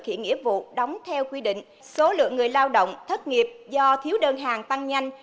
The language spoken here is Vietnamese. các doanh nghiệp chưa thực hiện nghĩa vụ đóng theo quy định số lượng người lao động thất nghiệp do thiếu đơn hàng tăng nhanh